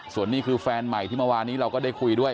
ส่วนนี้คือแฟนใหม่ที่เมื่อวานนี้เราก็ได้คุยด้วย